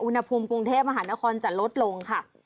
อุณหภูมิกรุงเทพมหานครจะลดลงค่ะ